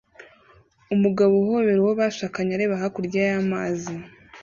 Umugabo uhobera uwo bashakanye areba hakurya y'amazi